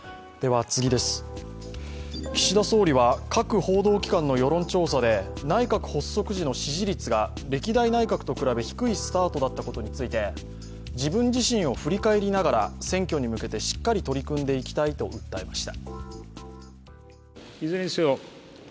岸田総理は各報道機関の世論調査で、内閣発足時の支持率が歴代内閣と比べ低いスタートだったことについて、自分自身を振り返りながら、選挙に向けてしっかり取り組んでいきたいと訴えました。